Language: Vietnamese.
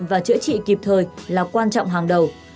và chữa trị kịp thời là quan trọng hàng đầu